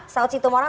saud situ morang